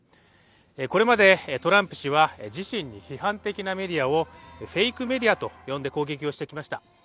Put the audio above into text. これまでトランプ氏は自身に批判的なメディアをフェイクメディアと呼んで攻撃をしてきました。